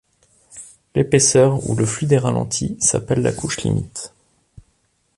L’épaisseur où le fluide est ralenti s’appelle la couche limite.